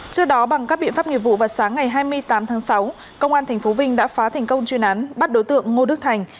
trước đó bằng các biện pháp nghiệp vụ vào sáng ngày hai mươi tám tháng sáu công an tp vinh đã phá thành công chuyên án bắt đối tượng ngô đức thành